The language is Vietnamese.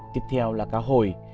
tiếp theo là cá hồi